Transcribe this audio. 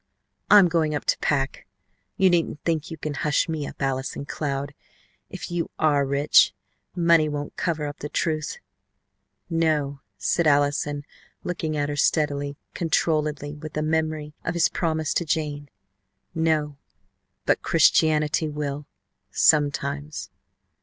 I'm going up to pack. You needn't think you can hush me up, Allison Cloud, if you are rich. Money won't cover up the truth " "No," said Allison looking at her steadily, controlledly, with a memory of his promise to Jane. "No, but Christianity will sometimes."